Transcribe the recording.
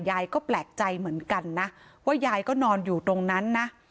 ยายก็แปลกใจเหมือนกันนะว่ายายก็นอนอยู่ตรงนั้นนะ